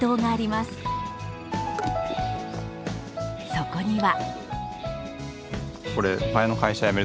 そこには。